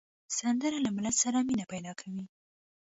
سندره له ملت سره مینه پیدا کوي